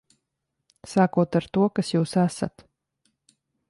Sākot ar to, kas jūs esat.